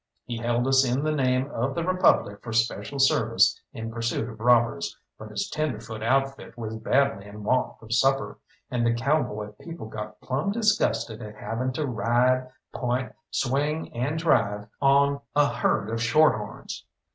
He held us in the name of the Republic for special service in pursuit of robbers, but his tenderfoot outfit was badly in want of supper, and the cowboy people got plumb disgusted at having to ride, point, swing, and drive on a herd of shorthorns.